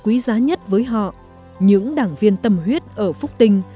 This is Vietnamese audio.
quý giá nhất với họ những đảng viên tâm huyết ở phúc tinh